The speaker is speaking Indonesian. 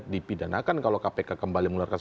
dipidanakan kalau kpk kembali mengeluarkan